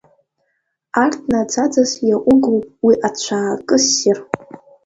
Арҭ наӡаӡаз иаҟәыгоуп уи ацәаакы ссир…